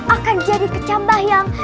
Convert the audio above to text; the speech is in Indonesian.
akan jadi kecambah yang